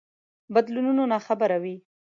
بدلونونو ناخبره وي.